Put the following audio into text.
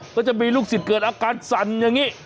ก็จะมีลูกศิษย์เกิดอาการสั่นอย่างนี้